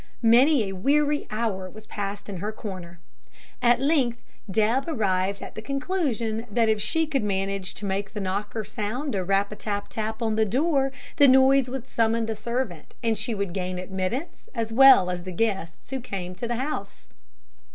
Many a weary hour was passed in her corner. At length Deb arrived at the conclusion that if she could manage to make the knocker sound a rap a tap tap on the door, the noise would summon the servant, and she would gain admittance as well as the guests who came to the house.